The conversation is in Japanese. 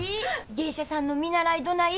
芸者さんの見習いどない？